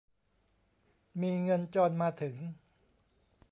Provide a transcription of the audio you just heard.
มีเงินจรมาถึง